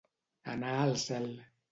Anar al cel.